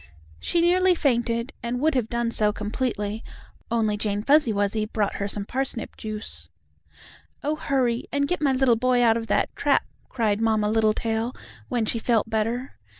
She nearly fainted, and would have done so completely, only Jane Fuzzy Wuzzy brought her some parsnip juice. "Oh, hurry and get my little boy out of that trap!" cried Mamma Littletail, when she felt better.